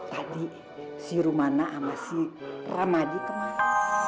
tadi si rumana sama si ramadi kemana